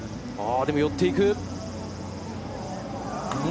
でも、寄っていく。